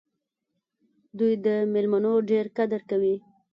دوی د میلمنو ډېر قدر کوي.